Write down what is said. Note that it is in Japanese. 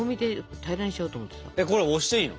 これ押していいの？